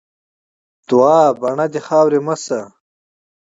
دوعا؛ بڼه دې مه شه خاوري.